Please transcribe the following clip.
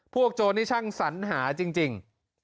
โจรนี่ช่างสัญหาจริง